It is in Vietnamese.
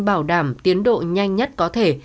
bảo đảm tiến độ nhanh nhất có thể